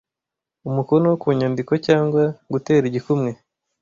umukono ku nyandiko cyangwa gutera igikumwe